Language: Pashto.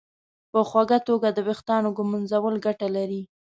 په خوږه توګه د ویښتانو ږمنځول ګټه لري.